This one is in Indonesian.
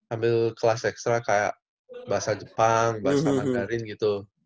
ambil kelas ekstra kayak bahasa jepang bahasa mandarin gitu